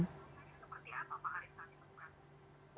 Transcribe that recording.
seperti apa pak arief saat ditemukan